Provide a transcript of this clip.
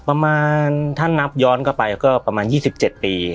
ประมาณถ้านับย้อนกลับไปก็ประมาณ๒๗ปี